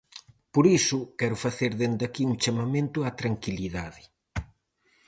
Por iso quero facer dende aquí un chamamento á tranquilidade.